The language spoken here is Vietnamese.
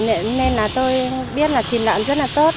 nên là tôi biết là thịt lợn rất là tốt